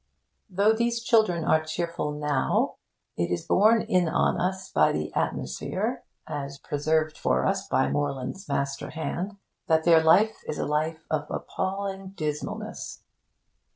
Though these children are cheerful now, it is borne in on us by the atmosphere (as preserved for us by Morland's master hand) that their life is a life of appalling dismalness.